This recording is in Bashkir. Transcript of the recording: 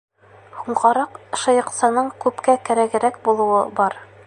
Һуңғараҡ шыйыҡсаның күпкә кәрәгерәк булыуы бар.